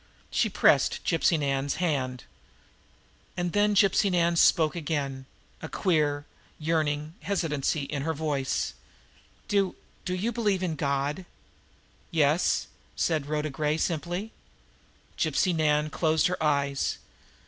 She pressed Gypsy Nan's hand. And then Gypsy Nan spoke again, a queer, yearning hesitancy in her voice: "Do do you believe in God?" "Yes," said Rhoda Gray simply. Gypsy Nan closed her eyes.